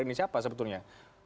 ini siapa sebetulnya